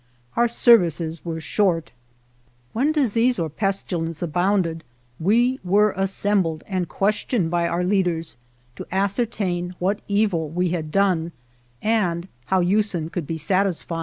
Our services were short. When disease or pestilence abounded we were assembled and questioned by our lead ers to ascertain what evil we had done, and how Usen could be satisfied.